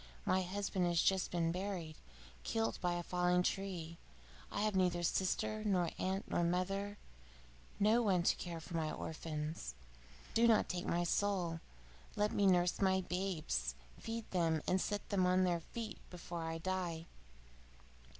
My husband has just been buried, killed by a falling tree. I have neither sister, nor aunt, nor mother: no one to care for my orphans. Do not take my soul! Let me nurse my babes, feed them, and set them on their feet before I die.